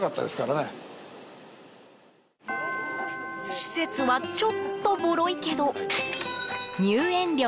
施設は、ちょっとぼろいけど入園料